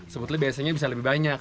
sebetulnya biasanya bisa lebih banyak